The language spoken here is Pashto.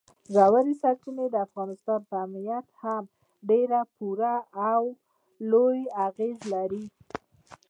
ژورې سرچینې د افغانستان په امنیت هم ډېر پوره او لوی اغېز لري.